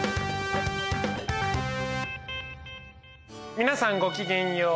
皆さんごきげんよう。